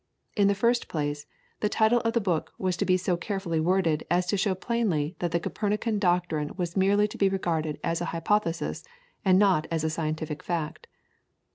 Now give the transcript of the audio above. In the first place, the title of the book was to be so carefully worded as to show plainly that the Copernican doctrine was merely to be regarded as an hypothesis, and not as a scientific fact.